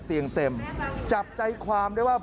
ไม่เลยสระหัวตา